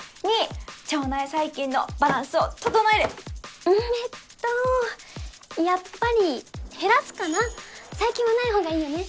２腸内細菌のバランスを整えるうんえっとやっぱり減らすかな細菌はない方がいいよね